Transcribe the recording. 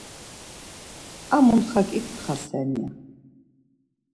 Ar muntxa ǩiǩtxaten ya.